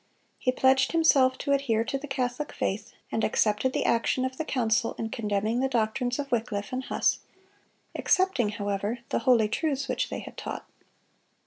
He pledged himself to adhere to the Catholic faith, and accepted the action of the council in condemning the doctrines of Wycliffe and Huss, excepting, however, the "holy truths" which they had taught.